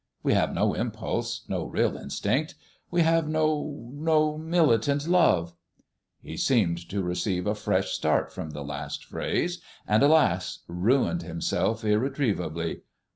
We have no impulse, no real instinct. We have no no militant love." He seemed to receive a fresh start from the last phrase, and, alas! ruined himself irretrievably.